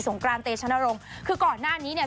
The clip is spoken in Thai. กรานเตชนรงค์คือก่อนหน้านี้เนี่ย